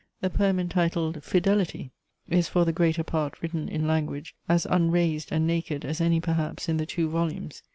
The poem entitled FIDELITY is for the greater part written in language, as unraised and naked as any perhaps in the two volumes.